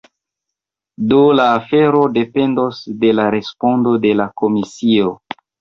Do la afero dependos de la respondo de la komisio.